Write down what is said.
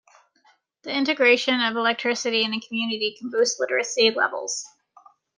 The integration of electricity in a community can boost literacy levels.